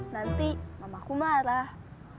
nanti mamaku marah